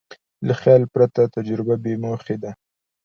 له خیال پرته تجربه بېموخې ده.